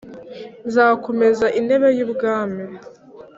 nzakomeza intebe y ubwami